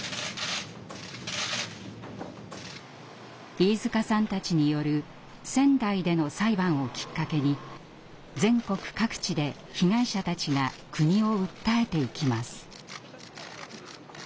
飯塚さんたちによる仙台での裁判をきっかけに全国各地で被害者たちが国を訴えていきます。